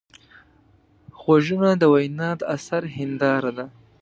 غوږونه د وینا د اثر هنداره ده